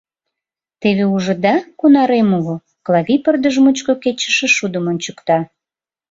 Теве, ужыда, кунар эм уло, — Клави пырдыж мучко кечыше шудым ончыкта.